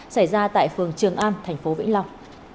xảy ra tại phường trường an tp vĩnh long